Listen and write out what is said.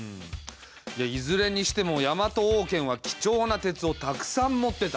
いずれにしてもヤマト王権は貴重な鉄をたくさん持ってた。